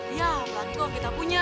iya bagus kita punya